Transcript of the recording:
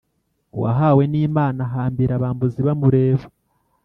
Uwahawe n’Imana ahambira abambuzi bamureba